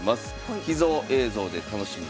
「秘蔵映像で楽しむ！